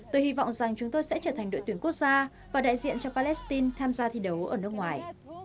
tôi hy vọng rằng chúng tôi sẽ trở thành đội tuyển quốc gia và đại diện cho palestine tham gia thi đấu ở nước ngoài